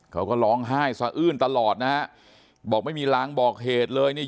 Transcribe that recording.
เขาก็ร้องไห้สะอื้นตลอดนะฮะบอกไม่มีลางบอกเหตุเลยเนี่ย